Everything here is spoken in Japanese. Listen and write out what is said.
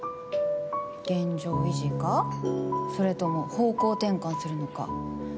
現状維持かそれとも方向転換するのか。